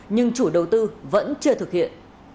nhưng chủ đầu tư vẫn chưa thực hiện